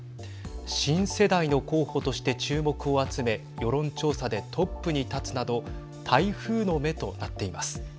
新世代の候補として注目を集め世論調査でトップに立つなど台風の目となっています。